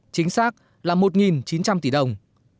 chính xác là một chín trăm linh tỷ đồng